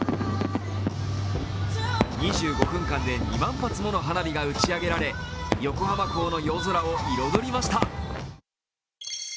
２５分間で２万発もの花火が打ち上げられ横浜港の夜空を彩りました。